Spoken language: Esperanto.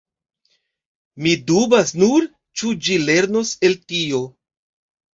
Mi dubas nur, ĉu ĝi lernos el tio.